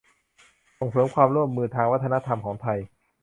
ส่งเสริมความร่วมมือทางวัฒนธรรมของไทย